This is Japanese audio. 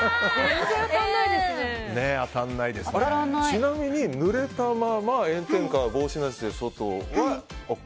ちなみに、ぬれたまま炎天下、帽子なしで外はＯＫ？